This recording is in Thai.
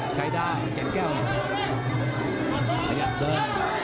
ใช้ได้